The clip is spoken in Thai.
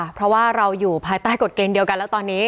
เพราะว่าเราอยู่ภายใต้กฎเกณฑ์เดียวกันแล้วตอนนี้